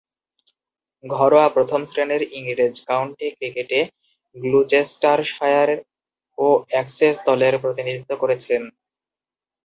ঘরোয়া প্রথম-শ্রেণীর ইংরেজ কাউন্টি ক্রিকেটে গ্লুচেস্টারশায়ার ও এসেক্স দলের প্রতিনিধিত্ব করেছেন।